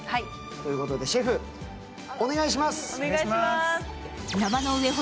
ということでシェフお願いします。